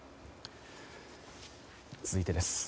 続いてです。